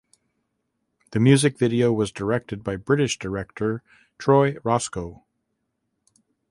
The music video was directed by British director Troy Roscoe.